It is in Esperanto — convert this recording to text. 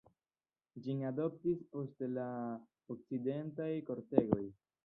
Ĝin adoptis poste la okcidentaj kortegoj.